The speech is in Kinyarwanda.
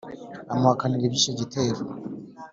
amuhakanira iby'icyo gitero,